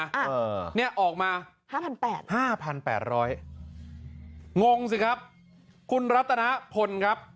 เออเนี่ยออกมาห้าพันแปดห้าพันแปดร้อยงงสิครับคุณรัตนพลครับ